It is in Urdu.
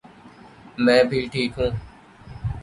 میں بھی ٹھیک ہوں